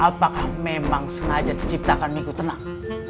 apakah memang sengaja diciptakan minggu tenang